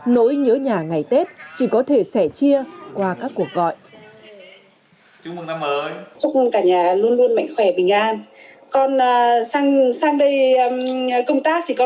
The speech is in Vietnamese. nỗi nhớ nhà ngày tết chỉ có thể sẻ chân